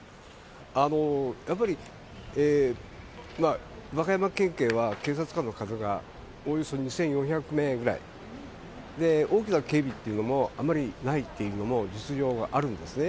やっぱり、和歌山県警は警察官の方がおおよそ２４００名ぐらい、大きな警備というのもあんまりないっていうのも実情あるんですね。